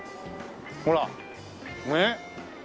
ほらねっ。